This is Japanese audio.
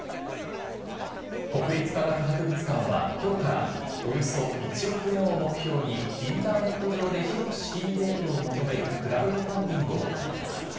国立科学博物館は、きょうからおよそ１億円を目標に、インターネット上で広く資金提供を求めるクラウドファンディングを行います。